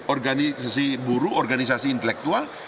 organisasi buruh organisasi intelektual